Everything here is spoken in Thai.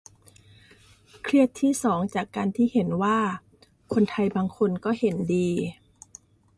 เครียดที่สองจากการที่เห็นว่าคนไทยบางคนก็เห็นดี